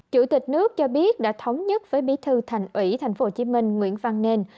chủ tịch nước cho biết đã thống nhất với bí thư thành ủy tp hcm nguyễn văn nên